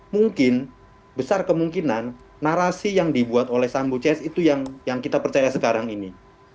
mungkin besar kemungkinan narasi yang dibuat oleh sambo cs itu yang kita percaya sekarang ini